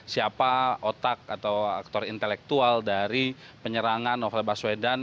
siapa otak atau aktor intelektual dari penyerangan novel baswedan